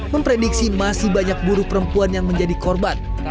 memprediksi masih banyak buruh perempuan yang menjadi korban